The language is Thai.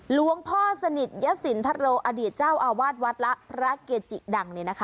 หลวงพ่อศนิทซาก์ยาสินทรวว์อดีตเจ้าอวาสวัดร้าพระเกจิดัง